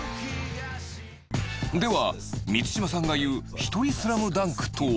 では、満島さんが言うひとりスラムダンクとは？